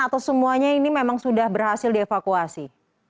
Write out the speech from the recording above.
atau semuanya ini memang sudah berhasil dievakuasi